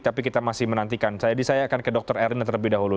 tapi kita masih menantikan jadi saya akan ke dr erlina terlebih dahulu